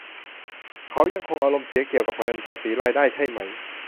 เขายังคงอารมณ์เสียเกี่ยวกับเงินภาษีรายได้ใช่ไหม